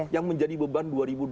yang menjadi beban dua ribu dua puluh